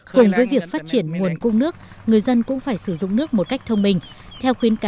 cùng với việc phát triển nguồn cung nước người dân cũng phải sử dụng nước một cách thông minh